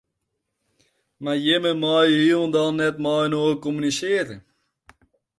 Mar jimme meie hielendal net mei-inoar kommunisearje.